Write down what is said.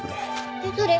えっどれ？